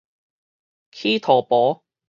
起塗婆